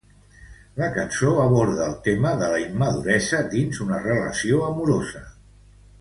La cançó aborda el tema de la immaduresa dins una relació amorosa.